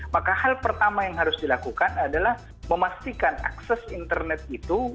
maka hal pertama yang harus dilakukan adalah memastikan akses internet itu